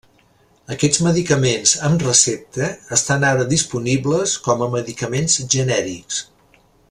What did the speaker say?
Aquests medicaments amb recepta estan ara disponibles com a medicaments genèrics.